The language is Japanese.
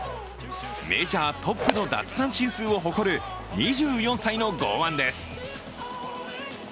メジャートップの奪三振数を誇る２４歳の剛腕です。